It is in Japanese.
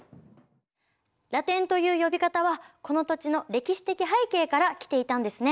ラテンという呼び方はこの土地の歴史的背景から来ていたんですね。